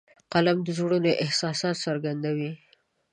قلم د زړونو احساسات څرګندوي